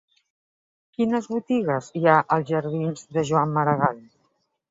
Quines botigues hi ha als jardins de Joan Maragall?